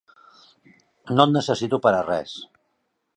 No et necessito per a res.